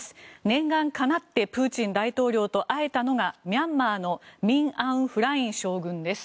念願かなってプーチン大統領と会えたのがミャンマーのミン・アウン・フライン将軍です。